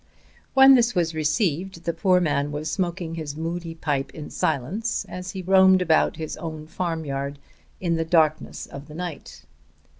When this was received the poor man was smoking his moody pipe in silence as he roamed about his own farmyard in the darkness of the night.